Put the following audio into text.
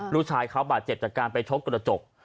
ลูกชายเขาบาดเจ็บจากการไปชกกระจก